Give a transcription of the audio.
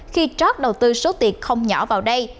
khi trót đầu tư số tiền không nhỏ vào đây